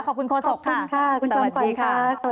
ขอบคุณโคศกค่ะสวัสดีค่ะ